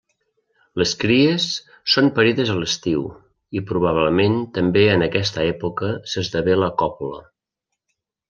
Les cries són parides a l'estiu i probablement també en aquesta època s'esdevé la còpula.